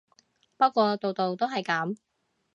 不過度度都係噉